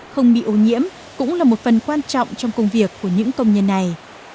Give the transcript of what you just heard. không bị ô nhiễm cũng là một phần quan trọng trong công việc của những công nhân này